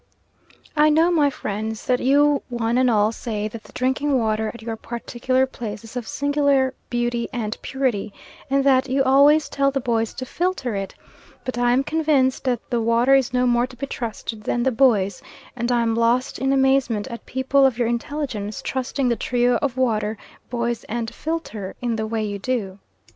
I know, my friends, that you one and all say that the drinking water at your particular place is of singular beauty and purity, and that you always tell the boys to filter it; but I am convinced that that water is no more to be trusted than the boys, and I am lost in amazement at people of your intelligence trusting the trio of water, boys, and filter, in the way you do.